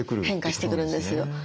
変化してくるんですよ。